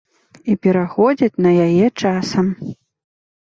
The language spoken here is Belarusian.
І пераходзяць на яе часам.